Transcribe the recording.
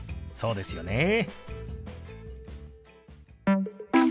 そうですよね。